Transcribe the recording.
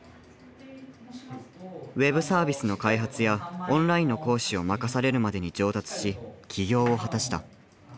ウェブサービスの開発やオンラインの講師を任されるまでに上達し起業を果たした。